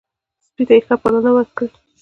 سپي ته ښه پالنه وکړئ.